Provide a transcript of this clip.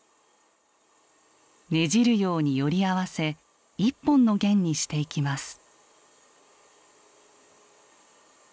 ねじるようにより合わせ１本の弦にしていきます。